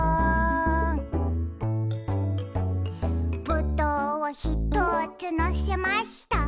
「ぶどうをひとつのせました」